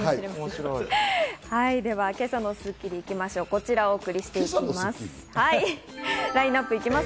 今朝の『スッキリ』行きましょう、こちらをお送りしていきます。